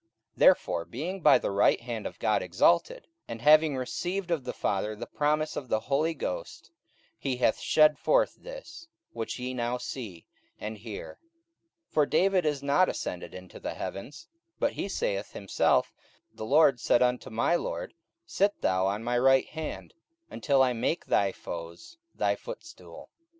44:002:033 Therefore being by the right hand of God exalted, and having received of the Father the promise of the Holy Ghost, he hath shed forth this, which ye now see and hear. 44:002:034 For David is not ascended into the heavens: but he saith himself, The Lord said unto my Lord, Sit thou on my right hand, 44:002:035 Until I make thy foes thy footstool.